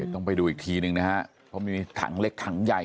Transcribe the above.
ต้องไปดูอีกทีหนึ่งนะฮะเพราะมีถังเล็กถังใหญ่